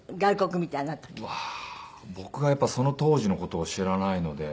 僕がその当時の事を知らないので。